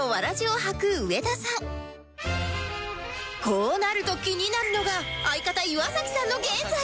こうなると気になるのが相方岩崎さんの現在